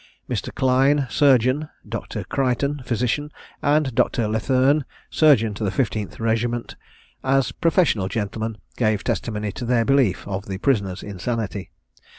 Mr. Cline, surgeon; Dr. Crichton, physician; and Dr. Letherne, surgeon to the 15th regiment, as professional gentlemen, gave testimony to their belief of the prisoner's insanity.